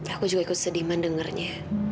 aku juga ikut sedih mendengarnya